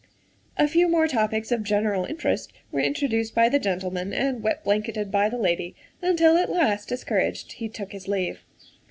'' A few more topics of general interest were introduced by the gentleman and wet blanketed by the lady, until at last, discouraged, he took his leave.